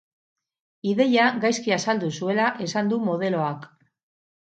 Ideia gaizki azaldu zuela esan du modeloak.